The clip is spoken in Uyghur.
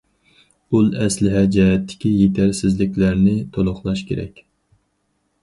ئۇل ئەسلىھە جەھەتتىكى يېتەرسىزلىكلەرنى تولۇقلاش كېرەك.